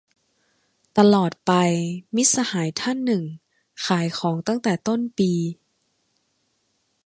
ตลอดไป - มิตรสหายท่านหนึ่ง ขายของตั้งแต่ต้นปี